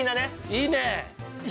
◆いいね。